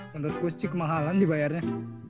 menurut gua sih kemahalan dibayarnya